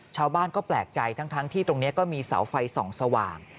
ชาวบ้านก็แปลกใจทั้งที่ตรงนี้ก็มีเสาไฟส่องสว่าง